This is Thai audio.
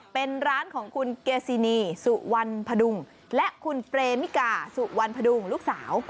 เป็นร้านของคุณเกซินีสุวรรณพดุงและคุณเปรมิกาสุวรรณพดุงลูกสาว